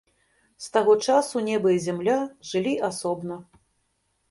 З таго часу неба і зямля жылі асобна.